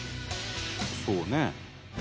「そうね」